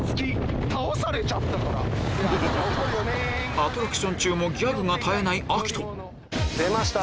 アトラクション中もギャグが絶えないアキト出ました